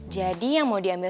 jadi yang mau diambil